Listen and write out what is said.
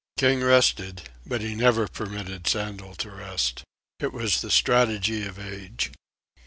King rested, but he never permitted Sandel to rest. It was the strategy of Age.